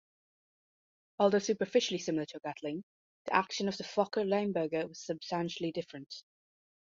Although superficially similar to a Gatling, the action of the Fokker-Leimberger was substantially different.